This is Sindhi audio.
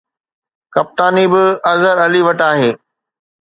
ڪپتاني به اظهر علي وٽ آهي